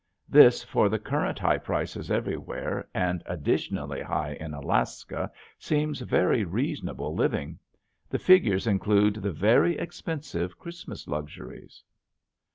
This for the current high prices everywhere and additionally high in Alaska seems very reasonable living. The figures include the very expensive Christmas luxuries.